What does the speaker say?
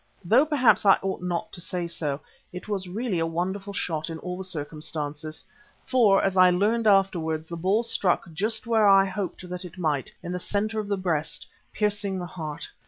Though perhaps I ought not to say so, it was really a wonderful shot in all the circumstances, for, as I learned afterwards, the ball struck just where I hoped that it might, in the centre of the breast, piercing the heart.